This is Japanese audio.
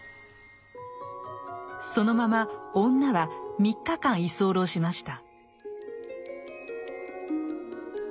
そのまま女は３日間居候しました。